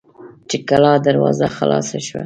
چې د کلا دروازه خلاصه شوه.